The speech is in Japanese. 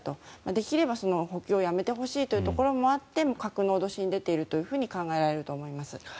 できれば補給をやめてほしいというところもあって核の脅しに出ていると思います。